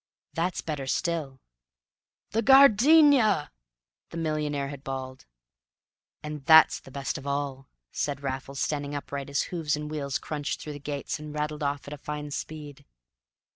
"That's better still." "The Gardenia!" the millionaire had bawled. "And that's best of all," said Raffles, standing upright as hoofs and wheels crunched through the gates and rattled off at a fine speed.